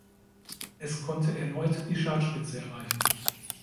Es konnte erneut die Chartspitze erreichen.